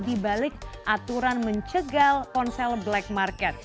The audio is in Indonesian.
dibalik aturan mencegal ponsel black market